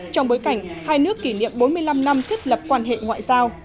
trong bối cảnh hai nước kỷ niệm bốn mươi năm năm thiết lập quan hệ ngoại giao